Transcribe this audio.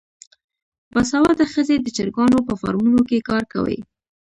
باسواده ښځې د چرګانو په فارمونو کې کار کوي.